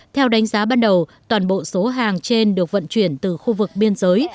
theo đánh giá ban đầu toàn bộ số hàng trên được vận chuyển từ khu vực biên giới